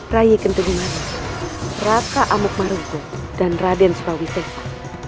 rai kentungimaru raka amukmarungu dan raden surawisewa